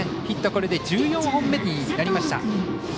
ヒット、これで１４本目になりました。